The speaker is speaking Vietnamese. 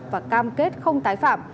và cam kết không tái phạm